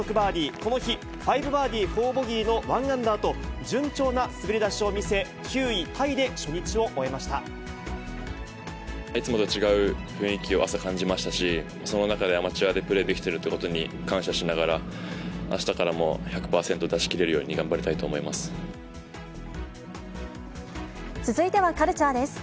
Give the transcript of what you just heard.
この日、５バーディー４ボギーの１アンダーと、順調な滑り出しを見せ、いつもと違う雰囲気を朝、感じましたし、その中で、アマチュアでプレーできてるということに感謝しながら、あしたからも１００％出しきれるように頑張り続いてはカルチャーです。